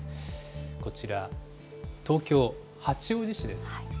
こちら、東京・八王子市です。